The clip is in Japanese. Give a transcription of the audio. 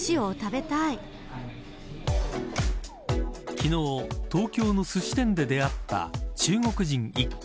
昨日、東京のすし店で出会った中国人一家。